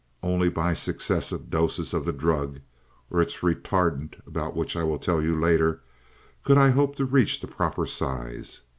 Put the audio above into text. Only by successive doses of the drug, or its retardent about which I will tell you later, could I hope to reach the proper size.